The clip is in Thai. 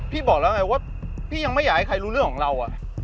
บอกแล้วไงว่าพี่ยังไม่อยากให้ใครรู้เรื่องของเรา